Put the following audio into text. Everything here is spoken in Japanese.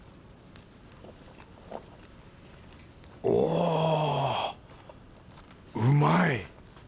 おぉうまい！